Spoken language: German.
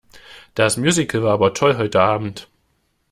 Das Musical war aber toll heute Abend.